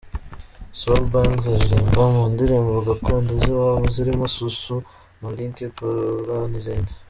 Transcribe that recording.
Soul Bang’s aririmba mu ndirimbo gakondo z’iwabo zirimo soussou, malinké, poular n’izindi.